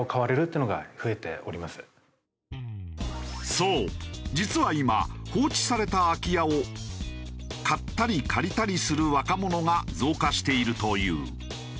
そう実は今放置された空き家を買ったり借りたりする若者が増加しているという。